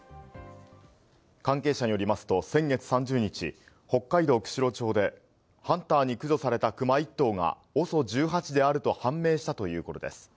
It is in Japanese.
関係者によりますと先月３０日、北海道釧路町でハンターに駆除されたクマ１頭がＯＳＯ１８であると判明したということです。